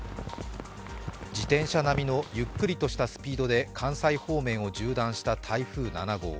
自転車並みのゆっくりとしたスピードで関西方面を縦断した台風７号。